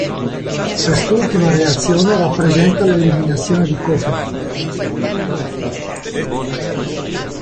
Quest'ultima reazione rappresenta l'eliminazione di Cope.